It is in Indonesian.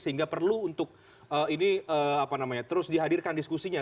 sehingga perlu untuk ini apa namanya terus dihadirkan diskusinya